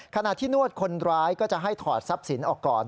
ขณะที่นวดคนร้ายก็จะให้ถอดทรัพย์สินออกก่อน